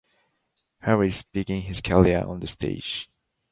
Harris began his career on the stage.